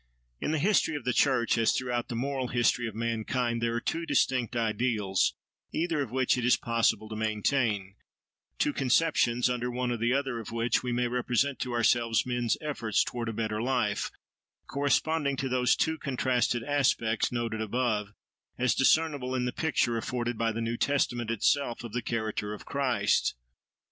In the history of the church, as throughout the moral history of mankind, there are two distinct ideals, either of which it is possible to maintain—two conceptions, under one or the other of which we may represent to ourselves men's efforts towards a better life—corresponding to those two contrasted aspects, noted above, as discernible in the picture afforded by the New Testament itself of the character of Christ.